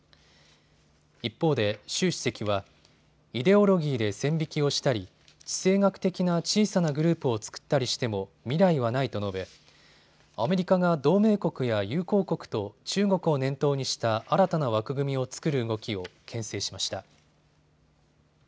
一方で習主席は、イデオロギーで線引きをしたり地政学的な小さなグループを作ったりしても未来はないと述べ、アメリカが同盟国や友好国と中国を念頭にした新たな枠組みを作る動きをけん制しました。